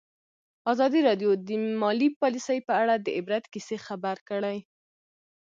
ازادي راډیو د مالي پالیسي په اړه د عبرت کیسې خبر کړي.